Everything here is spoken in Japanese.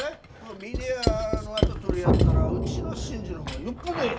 峰屋の跡取りやったらうちの伸治の方がよっぽどえい！